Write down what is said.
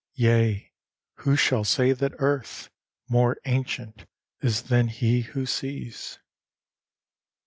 Yea! who shall say that Earth More ancient is than he who sees?